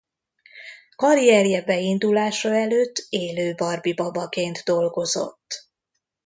Karrierje beindulása előtt élő Barbie babaként dolgozott.